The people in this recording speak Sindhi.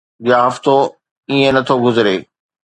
يا هفتو ائين نه ٿو گذري